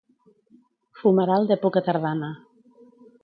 Fumeral d'època tardana.